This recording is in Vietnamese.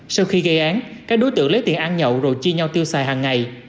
sau khi gây án các đối tượng lấy tiền ăn nhậu rồi chia nhau tiêu xài hàng ngày